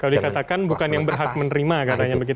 kalau dikatakan bukan yang berhak menerima katanya begitu